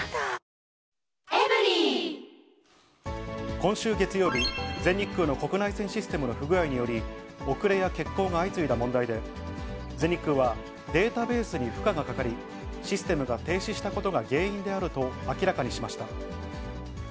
今週月曜日、全日空の国内線システムの不具合により、遅れや欠航が相次いだ問題で、全日空は、データベースに負荷がかかり、システムが停止したことが原因であると明らかにしました。